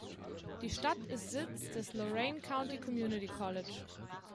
Die Stadt ist Sitz des Lorain County Community College.